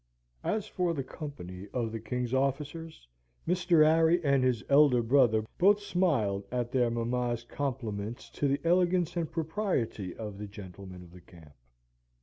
As for the company of the king's officers, Mr. Harry and his elder brother both smiled at their mamma's compliments to the elegance and propriety of the gentlemen of the camp.